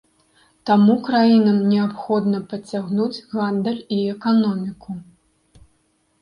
Таму краінам неабходна падцягнуць гандаль і эканоміку.